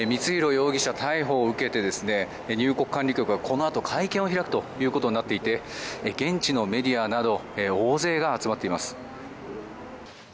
容疑者逮捕を受けて入国管理局はこのあと会見を開くことになっていて現地のメディアなど大勢が集まっています。